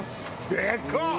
「でかっ！」